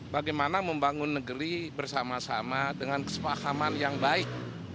bagaimana membangun negeri bersama sama dengan kesepahaman yang baik